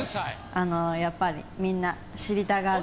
あのやっぱりみんな知りたがり。